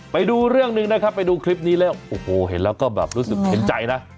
ไปดูเรื่องนึงไปดูคลิปนี้แล้วโอ้โหเห็นแล้วก็แบบเฉินใจนะ